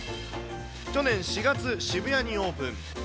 去年４月、渋谷にオープン。